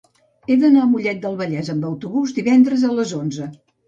He d'anar a Mollet del Vallès amb autobús divendres a les onze.